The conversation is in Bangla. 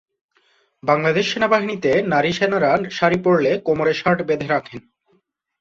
বাংলাদেশ সেনাবাহিনীতে নারী সেনারা শাড়ি পরলে কোমরে শার্ট বেঁধে রাখেন।